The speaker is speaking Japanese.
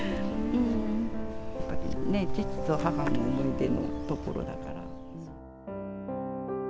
やっぱりね、父と母の思い出の所だから。